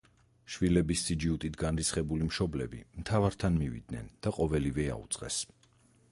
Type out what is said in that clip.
შვილების სიჯიუტით განრისხებული მშობლები მთავართან მივიდნენ და ყოველივე აუწყეს.